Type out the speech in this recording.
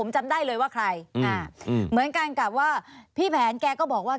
จำได้เลยว่าใครอ่าเหมือนกันกับว่าพี่แผนแกก็บอกว่า